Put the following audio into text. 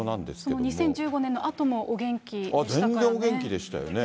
２０１５年のあともお元気でしたからね。